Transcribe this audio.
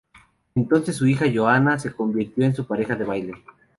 Entonces su hija Johana se convirtió en su pareja de baile.